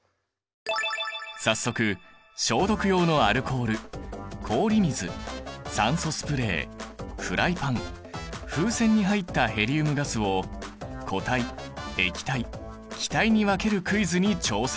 早速消毒用のアルコール氷水酸素スプレーフライパン風船に入ったヘリウムガスを固体液体気体に分けるクイズに挑戦！